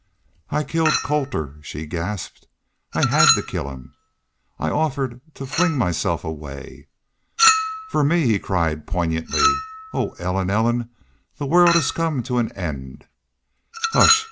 "I killed Colter," she gasped. "I HAD to kill him! ... I offered to fling myself away...." "For me!" he cried, poignantly. "Oh, Ellen! Ellen! the world has come to an end! ... Hush!